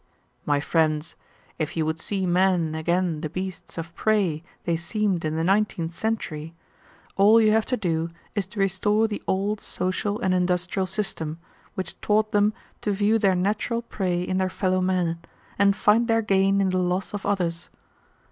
"My friends, if you would see men again the beasts of prey they seemed in the nineteenth century, all you have to do is to restore the old social and industrial system, which taught them to view their natural prey in their fellow men, and find their gain in the loss of others.